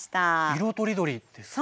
色とりどりですね。